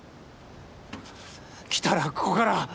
来たらここから。